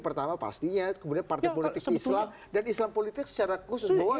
pertama pastinya kemudian partai politik islam dan islam politik secara khusus bahwa